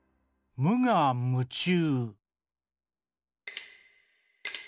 「むがむちゅう」。